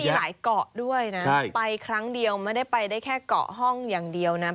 มีหลายเกาะด้วยนะไปครั้งเดียวไม่ได้ไปได้แค่เกาะห้องอย่างเดียวนะ